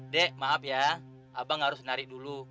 dek maaf ya abang harus narik dulu